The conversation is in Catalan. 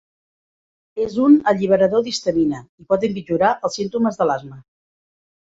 És un alliberador d"histamina i pot empitjorar els símptomes de l"asma.